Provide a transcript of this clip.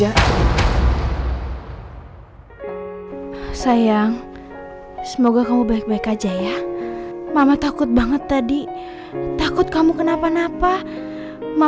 aku akan balaskan semua dendam aku ke putri dan raja